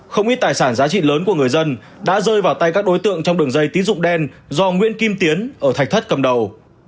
không ít tài sản giá trị lớn của người dân đã rơi vào tay các đối tượng trong đường dây tín dụng đen do nguyễn kim tiến ở thạch thất cầm đầu